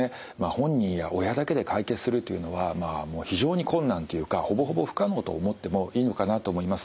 本人や親だけで解決するっていうのはまあもう非常に困難っていうかほぼほぼ不可能と思ってもいいのかなと思います。